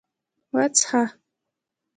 _وڅښه!